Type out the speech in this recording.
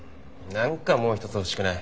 何かもう一つ欲しくない？